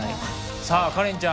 さあカレンちゃん